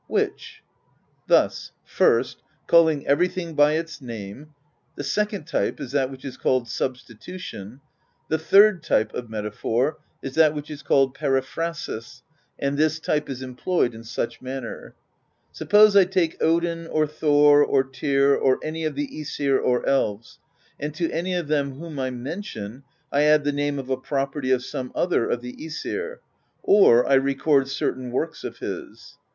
"Which?" "Thus: [first], calling everything by its name; the second type is that which is called 'substitution;' the third type of metaphor is that which is called 'periphrasis,' and this type is employed in such manner: Suppose I take Odin, or Thor, or Tyr, or any of the ^sir or Elves; and to any of them whom I mention, I add the name of a property of some other of the iEsir, or I record certain works of his.